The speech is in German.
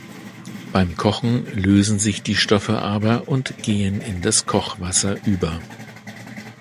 Beim Kochen lösen sich die Stoffe aber und gehen in das Kochwasser über.